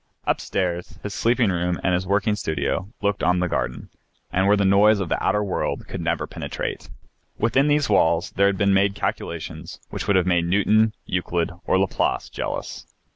Upstairs his sleeping room and his working studio, looking on the garden, and where the noise of the outer world could never penetrate. Within these walls there had been made calculations which would have made Newton, Euclid, or Laplace jealous.